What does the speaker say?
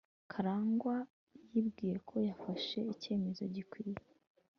karangwa yibwiye ko yafashe icyemezo gikwiye